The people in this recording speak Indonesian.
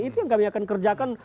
itu yang kami akan kerjakan